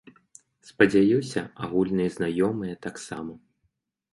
Спадзяюся, агульныя знаёмыя таксама.